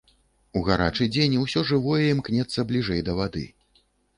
У гарачы дзень ўсё жывое імкнецца бліжэй да вады.